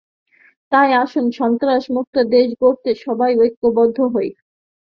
তাই আসুন সন্ত্রাসমুক্ত দেশ গড়তে সবাই ঐক্যবদ্ধ হই।